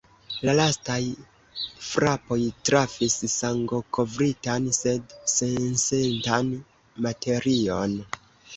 La lastaj frapoj trafis sangokovritan, sed sensentan materion.